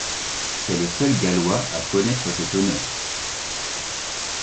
C'est le seul gallois à connaître cet honneur.